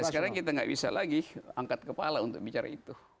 sekarang kita nggak bisa lagi angkat kepala untuk bicara itu